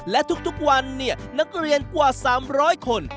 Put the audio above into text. และทุกวันนักเรียนกว่า๓๐๐คน